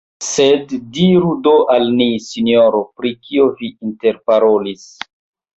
Sed diru do al ni, sinjoro, pri kio vi interparolis?